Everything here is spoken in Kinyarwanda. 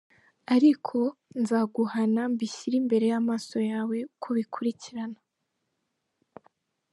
Ariko nzaguhana mbishyire imbere y’amaso yawe, Uko bikurikiran